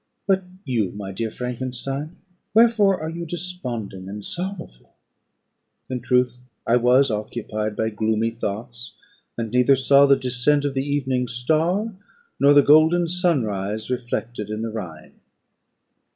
But you, my dear Frankenstein, wherefore are you desponding and sorrowful!" In truth, I was occupied by gloomy thoughts, and neither saw the descent of the evening star, nor the golden sunrise reflected in the Rhine.